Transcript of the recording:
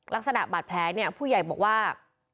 ลักษณะบาดแผลเนี่ยผู้ใหญ่บอกว่า